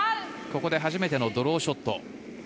ここで初めてのドローショット。